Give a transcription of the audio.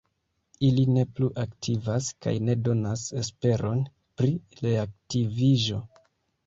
Ili ne plu aktivas kaj ne donas esperon pri reaktiviĝo.